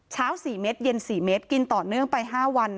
เช้า๔เมตรเย็น๔เมตรกินต่อเนื่องไป๕วัน